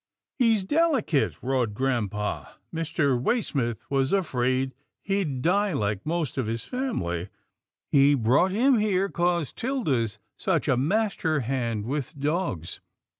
"" He's delicate," roared grampa, " Mr. Waysmith was afraid he'd die like most of his family. He brought him here 'cause 'Tilda's such a master hand with dogs.